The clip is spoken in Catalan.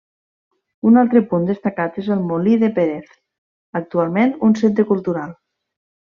Un altre punt destacat és el Molí de Pérez, actualment un centre cultural.